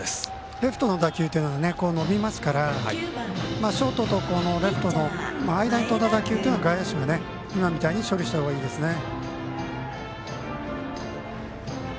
レフトの打球っていうのは伸びますからショートとレフトの間に飛んだ打球というのは外野手も今みたいに処理した方がいいですね。